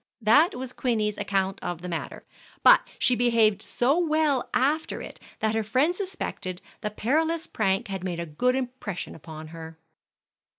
That was Queenie's account of the matter, but she behaved so well after it that her friends suspected the perilous prank had made a good impression upon her.